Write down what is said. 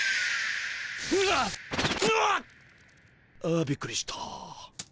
あびっくりした。